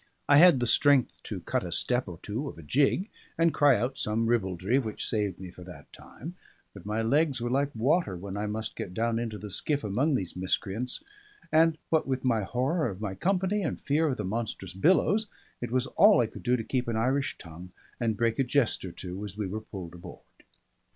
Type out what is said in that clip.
I had the strength to cut a step or two of a jig, and cry out some ribaldry, which saved me for that time; but my legs were like water when I must get down into the skiff among these miscreants; and what with my horror of my company and fear of the monstrous billows, it was all I could do to keep an Irish tongue and break a jest or two as we were pulled aboard.